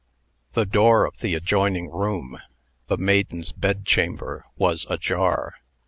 The door of the adjoining room the maiden's bedchamber was ajar.